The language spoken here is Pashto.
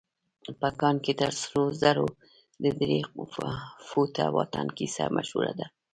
په کان کې تر سرو زرو د درې فوټه واټن کيسه مشهوره ده.